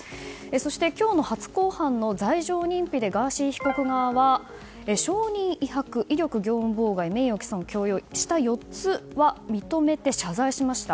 そして今日の初公判の罪状認否でガーシー被告側は証人威迫、威力業務妨害名誉毀損、強要の４つは認めて謝罪しました。